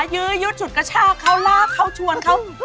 ยืดยืดอยู่รู้จุดกระชากเขารากเขาชวนเขา